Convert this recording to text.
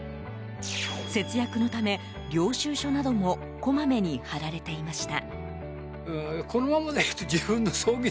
節約のため、領収書などもこまめに貼られていました。